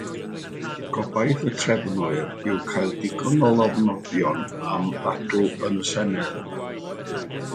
Gobaith y trefnwyr yw cael digon o lofnodion am ddadl yn y Senedd.